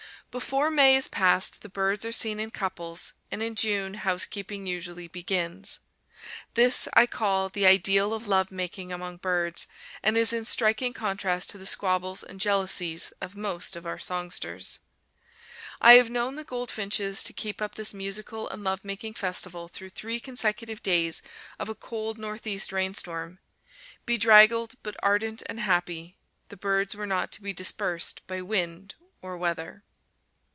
Before May is passed the birds are seen in couples, and in June housekeeping usually begins. This I call the ideal of love making among birds, and is in striking contrast to the squabbles and jealousies of most of our songsters. I have known the goldfinches to keep up this musical and love making festival through three consecutive days of a cold northeast rainstorm. Bedraggled, but ardent and happy, the birds were not to be dispersed by wind or weather.